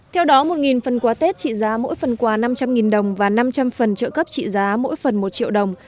theo đó một phần quà tết trị giá mỗi phần quà năm trăm linh đồng và năm trăm linh phần trợ cấp trị giá mỗi phần một triệu đồng